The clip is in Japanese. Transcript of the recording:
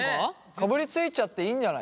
かぶりついちゃっていいんじゃない？